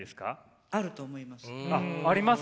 あると思います。